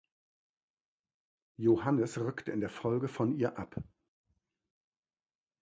Johannes rückte in der Folge von ihr ab.